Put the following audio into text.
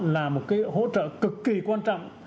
là một cái hỗ trợ cực kỳ quan trọng